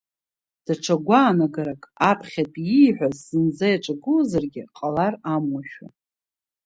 Даҽа гәаанагарак аԥхьатәи ииҳәаз зынӡа иаҿагылозаргьы ҟалар амуашәа.